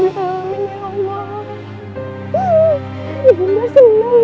ibu sudah selamat